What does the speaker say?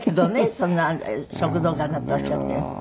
そんな食道がんだっておっしゃって。